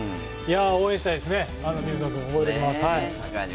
応援したいですね、水野君、覚えておきます。